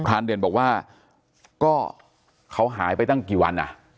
รานเด่นบอกว่าก็เขาหายไปตั้งกี่วันอ่ะ